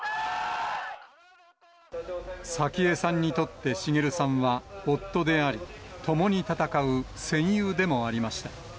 早紀江さんにとって滋さんは、夫であり、共に戦う戦友でもありました。